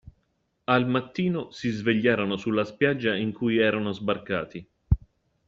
Al mattino, si svegliarono sulla spiaggia in cui erano sbarcati.